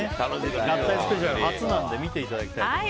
合体スペシャル初なので見ていただきたいと思います。